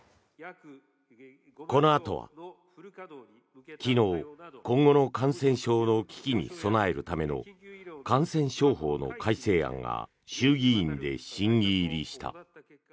このあとは、昨日今後の感染症の危機に備えるための感染症法の改正案が衆議院で審議入りした。